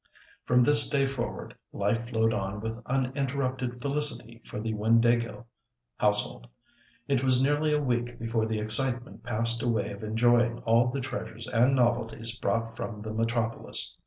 From this day forward, life flowed on with uninterrupted felicity for the Windāhgil household. It was nearly a week before the excitement passed away of enjoying all the treasures and novelties brought from the metropolis.